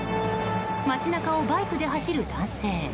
街中をバイクで走る男性。